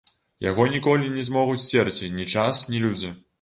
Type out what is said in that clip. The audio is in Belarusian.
Яго ніколі не змогуць сцерці ні час, ні людзі.